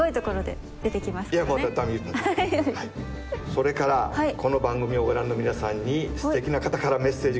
それからこの番組をご覧の皆さんにすてきな方からメッセージが届いてます。